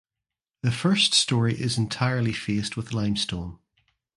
The first story is entirely faced with limestone.